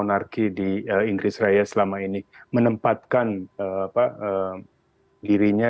anarki di inggris raya selama ini menempatkan dirinya